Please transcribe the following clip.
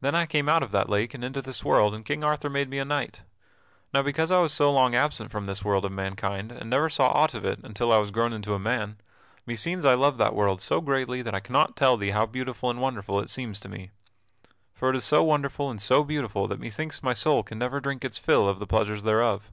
Then I came out of that lake and into this world and King Arthur made me a knight. Now because I was so long absent from this world of mankind and never saw aught of it until I was grown into a man, meseems I love that world so greatly that I cannot tell thee how beautiful and wonderful it seems to me. For it is so wonderful and so beautiful that methinks my soul can never drink its fill of the pleasures thereof.